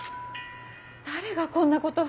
誰がこんなこと。